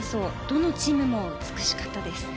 どのチームも美しかったです。